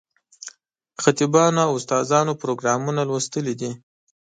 خطیبانو او استادانو پروګرامونه لوستلي دي.